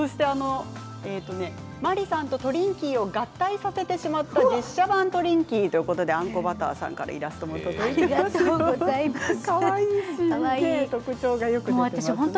マリさんとトリンキーを合体させてしまった実写版トリンキーということでイラストも届いています。